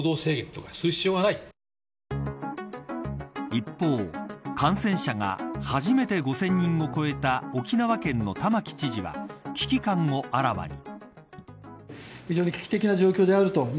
一方、感染者が初めて５０００人を超えた沖縄県の玉城知事は危機感をあらわに。